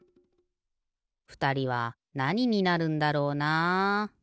ふたりはなにになるんだろうな。